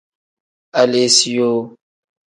Aleesiyoo.